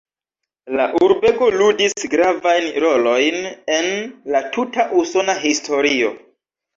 La urbego ludis gravajn rolojn en la tuta usona historio.